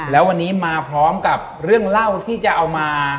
แล้ววันนี้มาพร้อมกับเรื่องเล่าที่จะเอามา